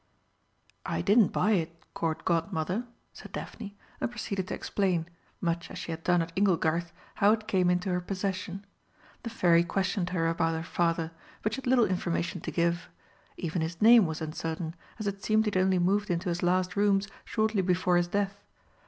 "I didn't buy it, Court Godmother," said Daphne, and proceeded to explain much as she had done at "Inglegarth" how it came into her possession. The Fairy questioned her about her father, but she had little information to give. Even his name was uncertain, as it seemed he had only moved into his last rooms shortly before his death.